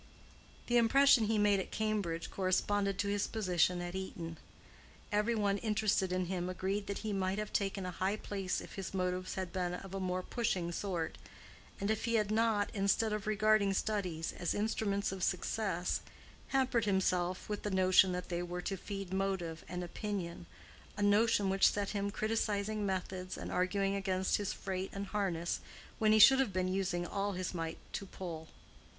The impression he made at Cambridge corresponded to his position at Eton. Every one interested in him agreed that he might have taken a high place if his motives had been of a more pushing sort, and if he had not, instead of regarding studies as instruments of success, hampered himself with the notion that they were to feed motive and opinion—a notion which set him criticising methods and arguing against his freight and harness when he should have been using all his might to pull.